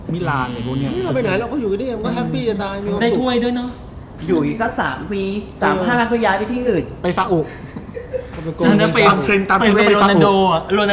ไปไหนเราก็อยู่อยู่มันก็แฮปปี้อย่างน้อย